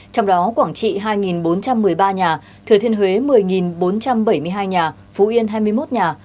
trong đó quảng trị hai bốn trăm một mươi ba nhà thừa thiên huế một mươi bốn trăm bảy mươi hai nhà phú yên hai mươi một nhà